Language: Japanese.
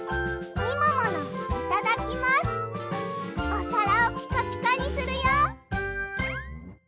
おさらをピカピカにするよ！